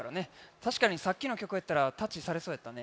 たしかにさっきのきょくやったらタッチされそうやったね。